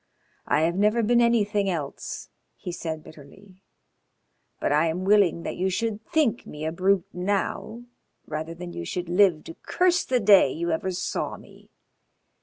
"I have never been anything else," he said bitterly, "but I am willing that you should think me a brute now rather than you should live to curse the day you ever saw me.